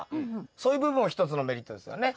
そういう部分も一つのメリットですよね。